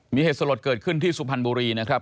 มีเหตุสลดเกิดขึ้นที่สุพรรณบุรีนะครับ